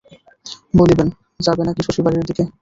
বলিলেন, যাবে নাকি শশী বাড়ির দিকে?